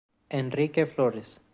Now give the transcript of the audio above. Enrique Flórez.